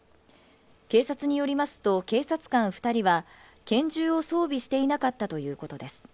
警察によりますと、警察官２人は拳銃を装備していなかったということです。